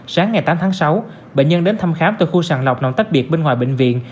sáng ngày tám tháng sáu bệnh nhân đến thăm khám từ khu sàng lọc tách biệt bên ngoài bệnh viện